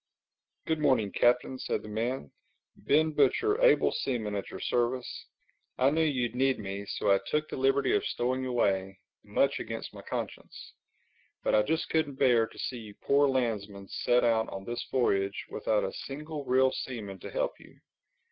"Good morning, Captain," said the man. "Ben Butcher, able seaman, at your service. I knew you'd need me, so I took the liberty of stowing away—much against my conscience. But I just couldn't bear to see you poor landsmen set out on this voyage without a single real seaman to help you.